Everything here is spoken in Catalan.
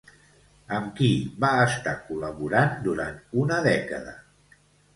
Amb qui va estar col·laborant durant una dècada?